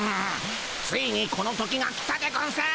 ついにこの時が来たでゴンス。